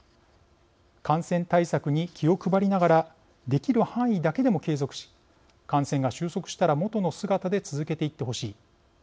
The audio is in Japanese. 感染対策に気を配りながらできる範囲だけでも継続し感染が収束したら元の姿で続けていってほしい。